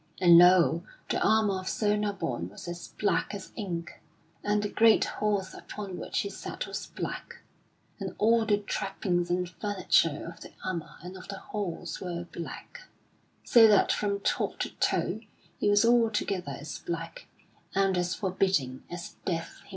And lo! the armor of Sir Nabon was as black as ink; and the great horse upon which he sat was black; and all the trappings and furniture of the armor and of the horse were black, so that from top to toe he was altogether as black and as forbidding as Death himself.